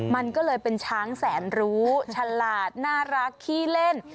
มันก็เลยเป็นช้างแสนรู้ฉลาดน่ารักขี้เล่น